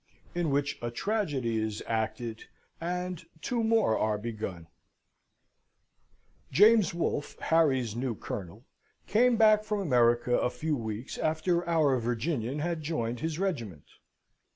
In which a Tragedy is acted, and two more are begun James Wolfe, Harry's new Colonel, came back from America a few weeks after our Virginian had joined his regiment.